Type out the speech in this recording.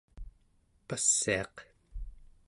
passiaq